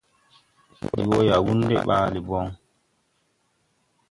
Ndi wɔ Yayunde ɓaale bɔn.